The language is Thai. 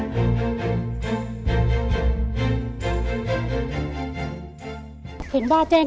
สรุปแล้ววันที่สามเมษจะกลับวันที่สี่ใช่ไหมคะ